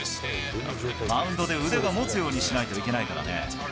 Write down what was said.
マウンドで腕がもつようにしないといけないからね。